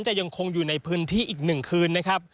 ยังคงอยู่ในพื้นที่อีก๑คืนนะครับ